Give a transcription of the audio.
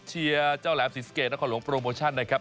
เชียร์เจ้าแหลมซิสเกย์นักของหลวงโปรโมชันนะครับ